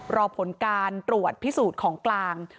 รอผลการตรวจพิสูจน์ของกลาง